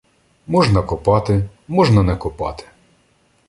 Можна копати, можна не копати.